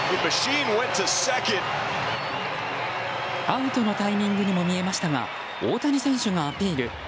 アウトのタイミングにも見えましたが大谷選手がアピール。